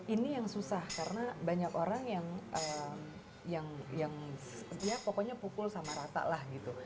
ini yang susah karena banyak orang yang ya pokoknya pukul sama rata lah gitu